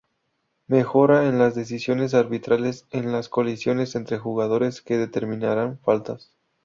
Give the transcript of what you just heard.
Mejora en las decisiones arbitrales en las colisiones entre jugadores que determinarán faltas.